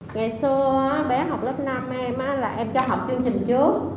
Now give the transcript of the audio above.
ngày xưa bé học lớp năm em là em cho học chương trình trước